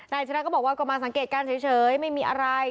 นายทิรัศน์ก็บอกว่ากลัวมาสังเกตการณ์เฉยไม่มีอะไร